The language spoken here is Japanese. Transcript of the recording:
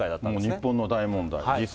日本の大問題。